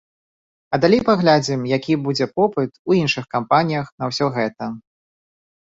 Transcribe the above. А далей паглядзім, які будзе попыт у іншых кампаніях на ўсё гэта.